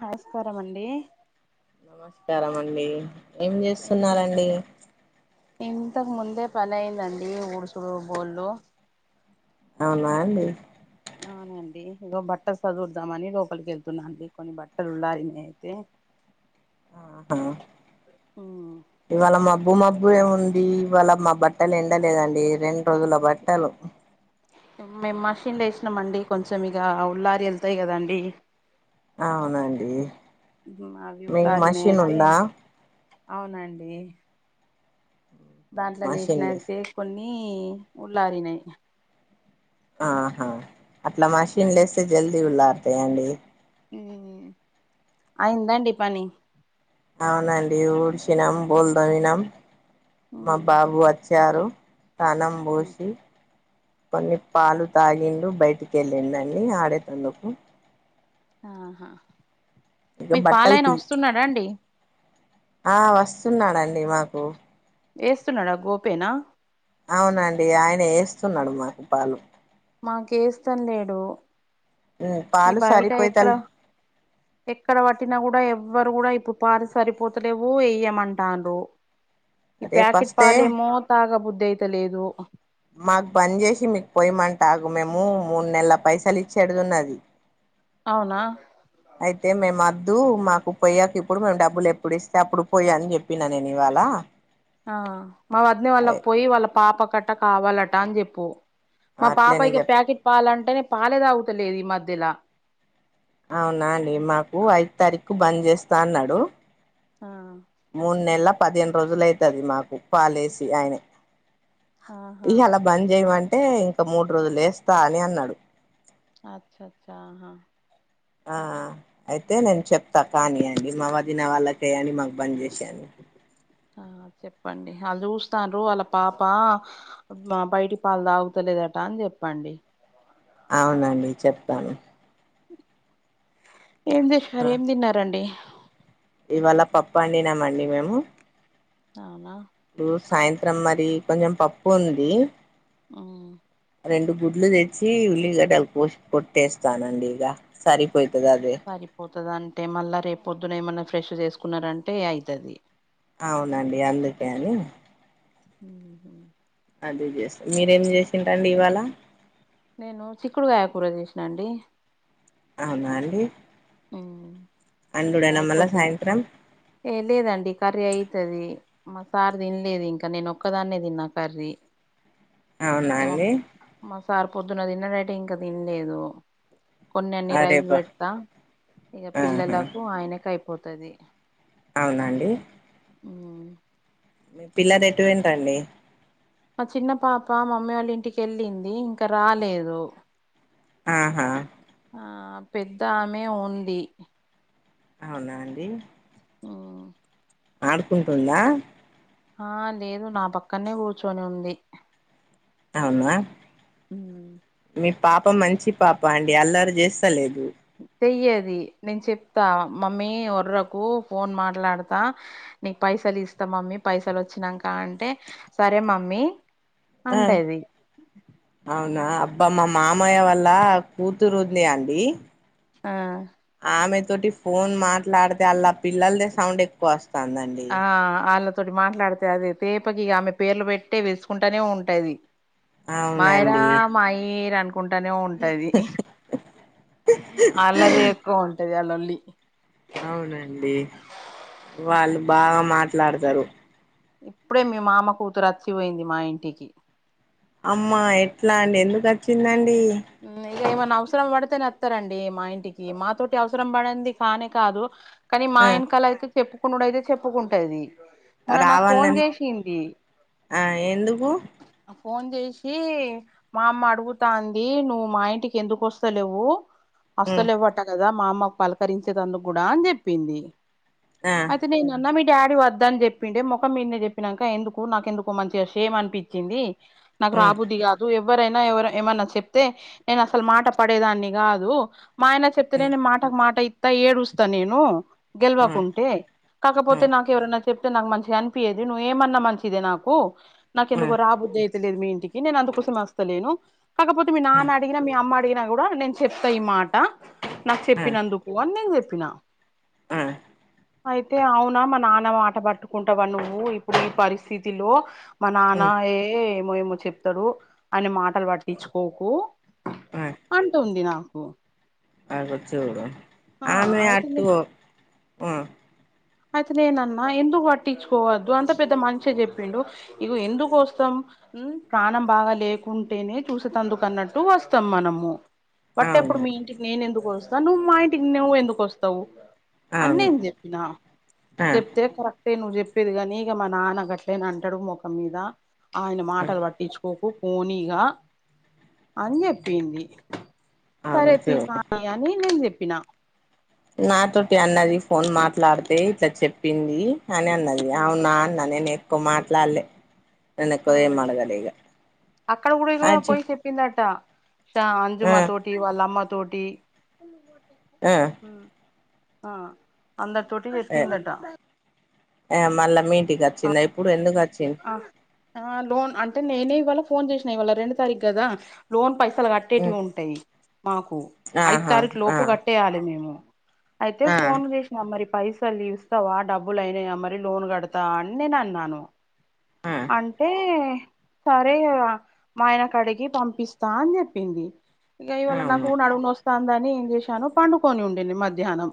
హైస్పరమండి నమస్కారమండి ఏం చేస్తున్నారండి ఇంతక్ ముందే పని అయిందండి ఊడుసుడు బోళ్ళు అవునా అండి అవునండి ఇగో బట్టల్ సదురుదామని లోపలికెళ్తున్నాండి కొన్ని బట్టల్ ఉండాలనీ అయితే ఆహా ఇవాళ మబ్బు మబ్బే ఉంది ఇవాళ మా బట్టల్ ఎండలేదండి రెండ్ రోజుల బట్టలు మేమ్ మషిన్ల ఎసినామండి కొంచెం ఇగ ఉల్లారి ఎళ్తాయి కదండి అవునండి మావి మీకు మషిన్ ఉల్లారినైతే ఉందా అవునండి దాంట్లో మషిన్ లే నేసినయితే కొన్ని ఉల్లారినై ఆహా అట్లా మషిన్లేస్తే జల్దీ ఉల్లారతాయ అండి మ్మ్ హు అయిందండి పని అవునండి ఉడిషినం బోళ్ తోమినం మా బాబు వచ్ చారు తానంబోషీ కొన్ని పాలు తాగిండు బయటి కెళ్ళిండండి ఆడేటందుకు ఆహా ఇగ మీకు బట్టలు పాలయన తీయి వస్తున్నాడా అండి ఆ వస్తున్నాడండి మాకు ఏస్తున్నాడా గోపేనా అవునండి ఆయనే ఎస్తున్నాడు మాకు పాలు మాకు ఏస్తం లేడు ఉమ్, ఈ పాలు బయట ఎక్కడ సరిపోయితలే ఎక్కడ పట్టినా కూడా ఎవ్వరూ కూడా ఇప్పుడు పారి సరిపోతలేవు ఏయ్యమంటాండ్రు ఈ రేపు ప్యాకెట్ వస్తే పాలు ఏమో తాగబుద్ధి అయితలేదు మాకు బంద్ చేసి మీకు పొయ్యమంటా ఆగు మేము మూడు నెలల పైసలు ఇచ్చేడుదున్నది అవునా అయితే మేం అద్దు మాకు పోయ్యకు ఇప్పుడు మేము డబ్బులు ఎప్పుడు ఇస్తే అప్పుడు పొయ్ అని చె ప్పినా నేను ఇవాళ ఆ మా వదిన అయ్, వాళ్ళకు పొయ్యి వాళ్ళ పాపకు అట కావాలట అని చెప్పు మా అట్లనే పాపైకే చెప్ ప్యాకెట్ పాలు అంటేనే పాలే తాగుతలేదు ఈ మధ్యలా అవునా అండి మాకు ఐదు తారీఖు బంద్ చేస్తా అన్నాడు ఆం మూడు నెలల పదిహేను రోజులు అయితది మాకు పాలేసి ఆయనే ఆహా ఇయ్యాల బంద్ చేయమంటే ఇంక మూడు రోజులు ఏస్తా అని అన్నాడు అచ్చచ్చ హా ఆ అయితే నేను చెప్తా కానీ అండి మా వదిన వాళ్ళకేయండి మాకు బంద్ చేసి అని ఆ చెప్పండి ఆళ్ళు చూస్తాండ్రు వాళ్ళ పాప మా బయటి పాలు తాగుతలేదట అని చెప్పండి అవునండి చెప్తాను ఏం ఆ చేష్షారు ఏం తిన్నారండి ఇవాళ పప్పు అండినామండి మేము అవునా ప్పు సాయంత్రం మరి కొంచెం పప్పు ఉంది ఆ రెండు గుడ్లు తెచ్చి ఉల్లిగడ్డలు కోసి పొట్టేస్తానండి ఇగ సరిపోయితదా అది సరిపోతది అంటే మళ్ళా రేపు పొద్దున ఏమన్నా ఫ్రెష్ చేసుకున్నారంటే అయితది అవునండి అందుకే అని హూ హూ అది చేసి మీరేం చేసిండ్రండి ఇవాళ నేను చిక్కుడుగాయ కూర చేసినా అండి అవునా అండి ఊ అండుడేనా మళ్ళా అయిపోతది సాయంత్రం ఏ లేదండి కర్రీ అయితది మా సార్ తినలేదు ఇంకా నేను ఒక్కదాన్నే తిన్నా కర్రీ అవునా ఇక మా అండి మా సార్ పొద్దున్న తిన్నడైటే ఇంకా తినలేదు కొన్ని అన్ని రైస్ అరేబా పెడతా ఇఢ ఆహా పిల్లలకు ఆయనకు అయిపోతది అవునండి ఊ మీ పిల్లలు ఎటు వొయిండ్రండి మా చిన్న పాప మమ్మీ వాళ్ళ ఇంటికెళ్ళింది ఇంకా రాలేదు ఆహా ఆ పెద్ద ఆమె ఉంది అవునా అండి ఆ ఆడుకుంటుందా ఆ లేదు నా పక్కనే కూర్చొని ఉంది అవునా ఉమ్ మీ పాప మంచి పాప అండి అల్లరి చేస్తా లేదు చెయ్యేది నేను చెప్తా మమ్మీ ఒర్రకు ఫోన్ మాట్లాడతా నీకు పైసలు ఇస్తా మమ్మీ పైసలు వచ్చినాక అంటే సరే మమ్మీ ఆ అంటది అవునా అబ్బా మా మామయ్య వాళ్ళ కూతురు ఉంది అండి ఆ ఆమె తోటి ఫోన్ మాట్లాడితే అళ్లా పిల్లదే సౌండ్ ఎక్కువ వస్తుందండి ఆ ఆళ్ళతోటి మాట్లాడితే అదే తేపకి ఆమె పేర్లు బెట్టే పిలుసుకుంటానే ఉంటది మైరా అవునండి మాయి అనుకు కుంటనే ఉంటది అళ్ళదే ఎక్కువ ఉంటది ఆలొల్లి అవునండి వాళ్ళు బాగా మాట్లాడతరు ఇప్పుడే మీ మామ కూతురు అచ్చిపోయింది మా ఇంటికి అమ్మ ఎట్లా అండి ఎందుకు వచ్చిందండి ఉమ్ ఇగ ఏమన్నా అవసరం పడితేనే వత్తరండి మా ఇంటికి మాతోటి అవసరం బడంది కానే కాదు కానీ మా ఆ యెనకాల అయితే చెప్పుకునుడు అయితే చెప్పుకుంటది మొన్న నాకు ఫోన్ రావాలని చేసింది ఆ ఎందుకు ఫోన్ చేసి మా అమ్మ అడుగుతాం ది నువ్వు మా ఇంటికి ఎందుకు వస్తలేవు ఉమ్ వస్తలేవుట్ అంట గదా మా అమ్మకు పలకరించేతందుకు గూడా అని చేప్పింది ఆ అయితే నేనన్నా మీ డాడీ వద్దని చేప్పిండే ముఖం మీన్నే చేప్పినాక ఎందుకు నాకెందుకో మంచిగా షేమ్ అనిపిం చింది నాకు ఉమ్ రాబుద్ది గాదు ఎవరైనా ఎవరు ఏమన్నా చెప్తే నేను అసలు మాట పడేదాన్ని గాదు మా ఆయన చెప్తేనే ఉమ్ నేను మాటకు మాట ఇత్తా ఏడుస్తా నేను ఉమ్ గెలవకుంటే కాకపోతే ఉమ్ నాకు ఎవరన్నా చెప్తే నాకు మంచిగా అనిపియదు నువ్వు ఏమన్నా మంచిదే నాకు నాకు ఎందుకో రాబుద్ది లేదు మీ ఇంటికి నేను అందుకోసంమే వస్తలేను కాకపోతే మీ నాన్న అడిగిన మీ అమ్మా అడిగిన కూడా నేను చెప్తా ఈ మాట నాకు చెప్పినందుకు అని నేను చెప్పిన అగో అయితే అవునా మా నాన్న మాట పట్టుకుంటావా నువ్వు ఇప్పుడు ఈ పరిస్థితిలో మా నాన్నయే ఏమో ఏమో చెప్తడు ఆయన మాటలు పట్టించుకోకు అంటుంది నాకు అగో చూడు ఆ ఆమె అయితుంది అటు ఉమ్ అయితే నేనన్నా ఎందుకు పట్టించుకోవద్దు అంత పెద్ద మనిషే చేప్పిండు ఇగ ఎందుకోస్తాం ఉమ్ ప్రాణం బాగా లేకుంటేనే చూసుతందుకు అన్నట్టు వస్తాం మనము బట్టేప్పుడు అవును మీ ఇంటికి నేను ఎందుకు వస్తా నువ్వు మా ఇంటికి నువ్వు ఎందుకు వస్తావు అన్ని అవును నేను చేప్పిన చెప్తే కరెక్టే నువ్వు చేప్పేది గానీ ఇగ మా నాన్న గట్లే నంటడు ముఖం మీద ఆయన మాటలు పట్టించు పోకు పోనీగా అని చేప్పింది అగో సరేతీ చూడు కాని అని నేను చెప్పినా నాతోటి అన్నది ఫోన్ మాట్లాడితే ఇట్లా చెప్పింది అని అన్నది అవునా అన్న నేను ఎక్కు మాట్లాడలే నేను ఎక్కువ ఆ ఏం అడగలే ఇగ అక్కడ గుడా ఇగో అచ్చి పోయి చెప్పిందట ఇట్ల అంజు మాతోటి టీ వాళ్ళ అమ్మ తోటీ ఆ ఉమ్ ఆ అందరి తోటి జెప్పిందటా ఆ మళ్ళా మీఇంటికి వచ్చిందా ఇప్పుడు ఎందుకు వచ్చింది ఆ లోన్ అంటే నేనే ఇవాళ ఫోన్ జేసిన ఇవాళ రెండు తారీఖు గదా లోన్ పైసలు గట్ట కట్టేటివి ఉంటాయి మాకు ఐదు ఆహా తారీఖు ఆ లోపు కట్టేయాలి మేము అయితే ఆ ఫోన్ జె ఆ మరి పైసలు ఇస్తావా డబ్బులు అయినయా మరి లోన్ కడతవా అని నేను అన్నాను ఆ అంటే సరే మా ఆయన కడిగి పంపిస్తా అని జెప్పింది ఇగ ఇవాళ నాకు అవును నడుమునొస్తాందని ఏం జేశాను పండుకొని ఉండింది మధ్యాహ్నం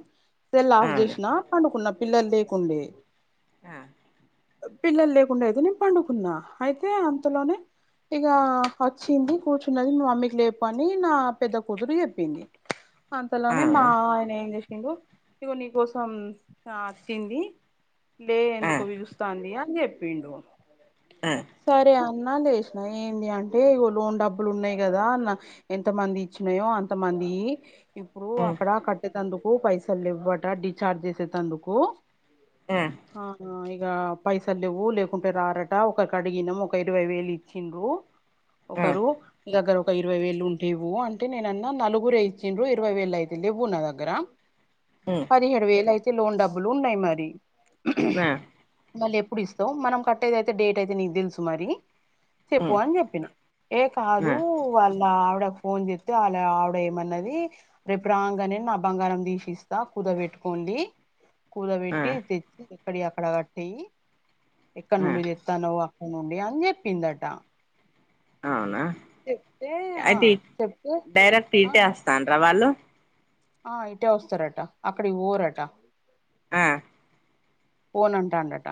సెల్ ఆఫ్ అవును జేసినా పండుకున్నా పిల్లలు లేకుండే ఆ పిల్లలు లేకుండే అయితే నేను పండుకున్నా అయితే అంతలోనే ఇగ వచ్చింది కూర్చున్నది మా మమ్మీకి లేపు అని నా పెద్ద కూతురుకి జెప్పింది [inaudible] అంతలోనే మా అవును ఆయన ఏం జేసిండు ఇగో నీ కోసం ఆ అత్తింది లే ఎందుకు పిలుస్తాంది అని చెప్పిండు ఆ చిన్నా లేసిన ఏంటి అంటే లోన్ డబ్బులు ఉన్నాయి కదా అన్న ఎంత మంది ఇచ్చినయో అంత మంది ఇప్పుడు అక్కడ అవునా కట్టేటందుకు పైసలేవ్వట డిచార్జ్ చేసేటందుకు ఆ ఆ ఇగ పైసల్ లేవు లేకుంటే రారట ఒకకడిగినం ఒక ఇరవై వేలు ఇచ్చిండ్రు ఒకరు ఇంకొకరు ఒక ఇరవై వేళ ఉంటేవ్ అంట నేనన్నా నలుగురే ఇచ్చిన్రు ఇరవై వేళ అయితు లేవ్వు నా దగ్గర ఆ ఇరవైలయితే లోన్ డబ్బలు ఉన్నాయి మరి ఆ మళ్ళీ ఎప్పుడు ఇస్తావు మనం కట్టది అయితే డేట్ అయితే నీకు తెలుసు మరి చెప్పు అని చెప్పిన ఏ కాదు వాళ్ళ ఆవిడ ఫోన్ చేస్తే ఆల ఆవిడ ఏమన్నది రేపు రాంగానే నా బంగారం తీసిస్తా కుదువ పెట్టుకోండి కూడ పెట్టి తెచ్చి ఇక్కడి అక్కడ కట్టీ ఎక్కడ నుండి తెస్తాను్ అక్కడ నుండి అని చెప్పిందట అవునా చెప్తే ఆ చెప్తే ఆ తాండ్ర వాళ్ళు ఆ ఇటే వస్తారట అక్కడికి పోరట ఆ పోనంటా అంటట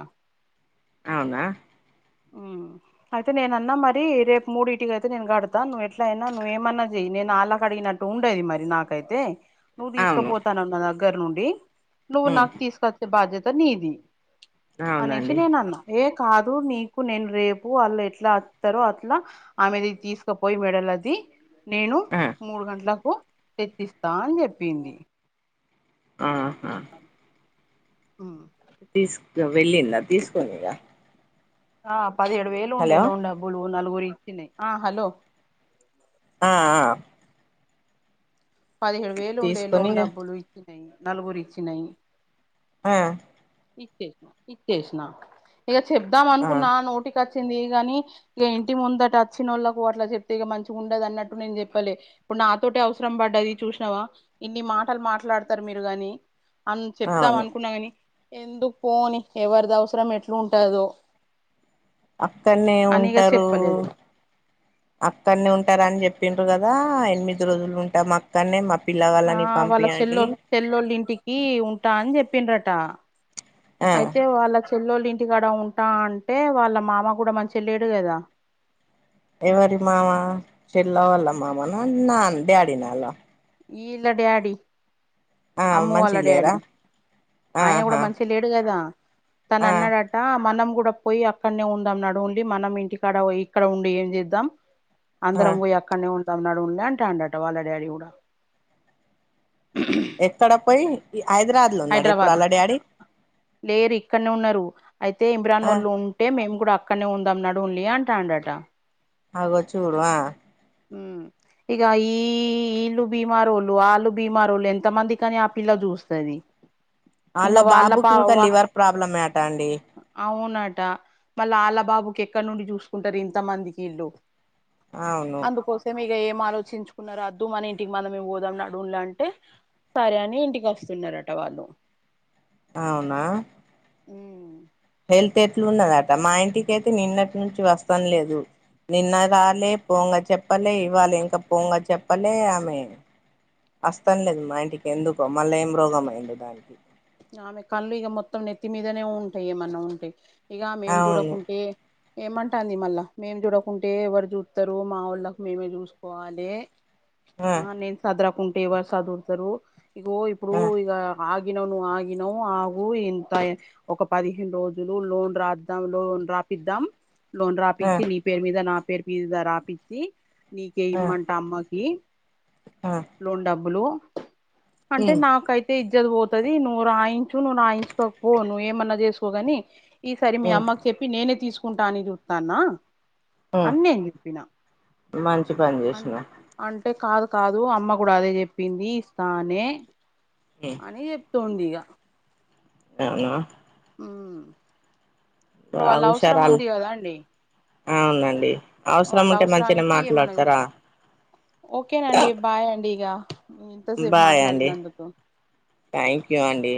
అవునా ఆ అయితే నేనన్నా మరి రేపు మూడి ఇటికి అయితే నేను కడతాను నువ్వు ఎట్లయినా నువ్వు ఏమన్నా చెయి నేను అలా కడిగినట్టు ట ఉండేది మరి నాకైతే నువ్వు అవును తీసుకుపోతానన్న దగ్గర నుండి నువ్వు ఉమ్, నాకు తీసుకొచ్చే బాధ్యత నీది అనేసి అవునండి నేనన్నా ఏ కాదు నీ ఇప్పుడు నేను రేపు ఆళ్లు ఎట్లా అత్తారో అట్లా ఆమెది తీసుకపోయి మెడలది నేను ఆ, మూడు గంటలకు తెచ్చిస్తా అని చెప్పింది. ఆహా మ్ తీసుక వెళ్ళిందా తీసుకోని ఇగ ఆ పదిహేడు వేలు ఉండే హలో లోన్ డబ్బులు నలుగురు ఇచ్చినయి ఆ హలో ఆ ఆ పదిహేడు వేలు ఉండే తీసుకొని లోన్ ఇక డబ్బులు ఇచ్చినయి నలుగురు ఇచ్చినయి ఆ ఇచ్చేసిన ఇచ్చేసిన ఇక చెప్దాం ఆ అనుకున్నా నోటికి అచ్చింది గాని ఇక ఇంటి ముందట అచ్చినోళ్ళకు అట్లా చెప్తే ఇక మంచిగ ఉండదు అన్నట్టు నేను చెప్పలే ఇప్పుడు నాతోటే అవసరం పడ్డది చూసినావా ఇన్ని మాటలు మాట్లాడతారు మీరు గాని, అని చెప్దాం అవును అనుకున్నా కాని, ఎందుకు పోని ఎవరిది అవసరం ఎట్ల ఉంటదో అక్కడనే అని ఇగ ఉంటారు చెప్పలేదు అక్కనే ఉంటారని చెప్పిండ్రు కదా ఎనిమిది రోజులు ఉంటా మక్ కానే మా పిల్ల వాళ్ళని పంపియండి పెళ్లోల్ ఇంటికి ఉంటా అని చెప్పిండ్రట ఆ అయితే వాళ్ళ పెళ్లోల్ ఇంటికాడ ఉంటా అంటే వాళ్ళ మామ కూడా మంచిగ లేడు కదా ఎవరి మామ చెల్లా వాల్ళ మామనా నాన్ డాడీనాల ఈల్ల డాడి ఆ అమ్మ వాళ్ళ మంచిగ డాడీ లేరా ఆయన కూడా ఆహా మంచిగ లేడు కదా తను ఆ అన్నాడట్ ట మనం కూడా పోయి అక్కడనే ఉందాం నడువుండి మనం ఇంటికాడ వు ఇక్కడ ఉండి ఏం చేద్దాం ఆ అందరం పోయి అక్కనే ఉందాం నడువుండి అంటాండట వాళ్ళ డాడీ కూడా ఎక్కడ పోయి హైదరాద్ హైదరాబాద్ లో లేరు ఇక్కడనే ఉన్నారు అయితే ఇమ్రాన్ ఆ వాళ్ళు ఉంటే మేము కూడా అక్కనే ఉందాం నడువుండి అంటాండట అగో చూడు ఆ మ్ ఇక ఈ ఈళ్ళు బీమారోళ్ళు ఆళ్ళు బీమారోళ్ళు ఎంత మందికని ఆ పిల్ల చూస్తది ఆళ్ల ఇంకా వాళ్ళ బాబుకి పా ఇంకా వా లివర్ ప్రాబ్లమే అట అండి అవునట మళ్ళా ఆళ్లబాబుకి ఎక్కడ నుండి చూసుకుంటారు ఇంత మందికి ఈళ్ళు అవును కోసం ఇక ఏం ఆలోచించుకున్నారో అద్దు మన ఇంటికి మనమే పోదాం నడువుల్లి అంటే సరే అని ఇంటికి వస్తున్నారట వాళ్ళు అవునా హెల్త్ ఎట్లున్నదట మా ఇంటికి అయితే నిన్నటి నుంచి వస్తాన లేదు నిన్న రాలే పోంగ చెప్పలే ఇవ్వాల ఇంకా పోంగ చెప్పలే ఆమె అస్తని లేదు మా ఇంటికి ఎందుకో మళ్ళా ఏం రోగం అయిందో దానికి ఆమె కళ్ళు ఇగ మొత్తం నెత్తి మీదనే ఉంటాయి ఏమన్నా ఉంటె ఇక మేం అవును చూడకుంటే ఏమంటాంది మళ్ళా మేము చూడకుంటే, ఎవరు చూస్తారు మా వాళ్ళకి మేమే చూసుకోవాలె ఆ నేను సదరకుంటే ఎవరు సదురుతారు ఇగో ఇప్పుడు ఆ ఇగ ఆగిన అగినవ్ అగు ఇంతా ఒక పదిహేను రోజులు లోన్ రాద్దాం లోన్ రాపిద్దాం లోన్ ఆ రాపిచ్చి నీ పేరు మీద నా పేరు మీద రాపిచ్చి నీకే ఆ ఇమన్ తమ్మకి ఆ లోన్ డబ్బులు అంటే ఉమ్ నాకైతే ఇజ్జత్ పోతది నువ్ రాయిన్ నువ్వు రాయించుకోకు నువ్ ఏమన్నా చేసుకోగాని ఈసారి మీ ఉమ్ అమ్మక్ చెప్పి నేనే తీసుకుంటా అని చూస్తాన్నా ఉమ్ అని నేను చెప్పినా మంచి పని చేసినవ్ అంటే కాదు కాదు అమ్మ కూడా అదే చెప్పింది ఇస్తానే ఏ అని చెప్తుందిగ అవునా ఉ ఇప్పుడు బాగా వాళ్ళవసరం హుషారాలు ఉంది కదండి అవునండి అవసరం ఉంటే మంచిగనే అవసరానికి ఏమన్నా మాట్లాడతారా ఓకేనండి బాయ్ అండి ఇగ ఇంతసేపు బాయ్ అండి మాట్లాడినందుకు థ్యాంక్ యూ అండి